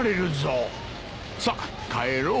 さっ帰ろう。